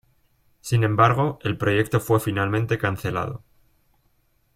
Sin embargo, el proyecto fue finalmente cancelado.